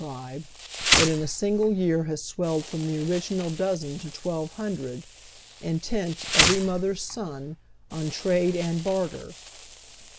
27 tribe, that in a single year has swelled from the original dozen to twelve hundred, intent, every mother's son, on trade and barter.